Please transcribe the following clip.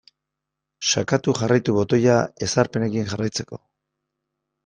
Sakatu jarraitu botoia ezarpenekin jarraitzeko.